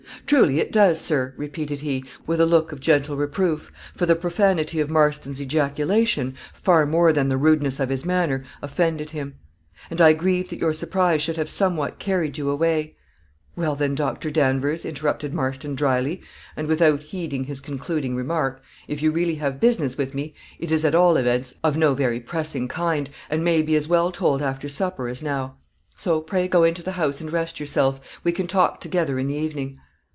"Truly it does, sir," repeated he, with a look of gentle reproof, for the profanity of Marston's ejaculation, far more than the rudeness of his manner, offended him; "and I grieve that your surprise should have somewhat carried you away " "Well, then, Doctor Danvers," interrupted Marston, drily, and without heeding his concluding remark, "if you really have business with me, it is, at all events, of no very pressing kind, and may be as well told after supper as now. So, pray, go into the house and rest yourself: we can talk together in the evening."